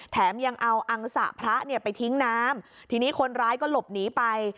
แถมยังเอาอังสะพระเนี่ยไปทิ้งน้ำทีนี้คนร้ายก็หลบหนีไป